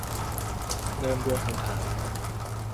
เริ่มด้วยคำถาม